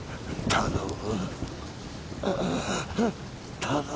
頼む。